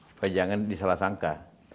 supaya jangan disalah sangka